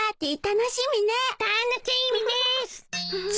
楽しみです！